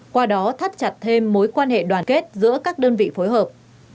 qua đó thắt chặt thêm mối quan hệ đoàn kết giữa các đơn vị phối hợp